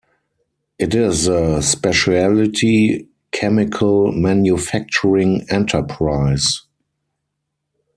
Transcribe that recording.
It is a specialty chemical manufacturing enterprise.